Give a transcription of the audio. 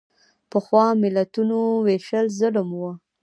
پخوا ملتونو وېشل ظلم و.